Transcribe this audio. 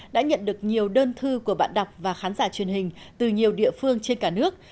đã nhận được nhiều đơn thư của bạn đọc và khán giả truyền hình từ nhiều địa phương trên cả nước